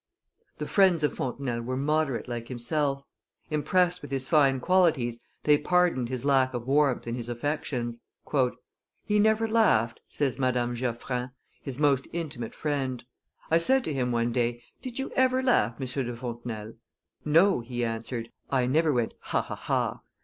The friends of Fontenelle were moderate like himself; impressed with his fine qualities, they pardoned his lack of warmth in his affections. "He never laughed," says Madame Geoffrin, his most intimate friend. "I said to him one day, 'Did you ever laugh, M. de Fontenelle?' 'No,' he answered; 'I never went ha! ha! ha!